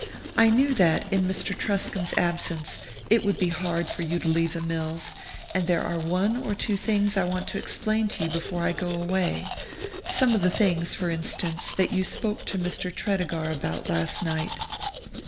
"I knew that, in Mr. Truscomb's absence, it would be hard for you to leave the mills, and there are one or two things I want you to explain before I go away some of the things, for instance, that you spoke to Mr. Tredegar about last night."